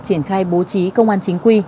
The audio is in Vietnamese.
triển khai bố trí công an chính quy